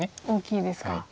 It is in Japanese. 大きいですか。